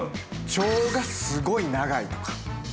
腸がすごい長いとか。